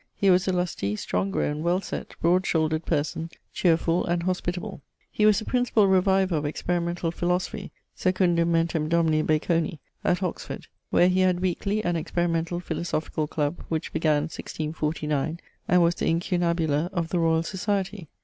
He was a lustie, strong growne, well sett, broad shoulderd person, cheerfull, and hospitable. He was the principall reviver of experimentall philosophy (secundum mentem domini Baconi) at Oxford, where he had weekely an experimentall philosophicall clubbe, which began 1649, and was the incunabula of the Royall Society.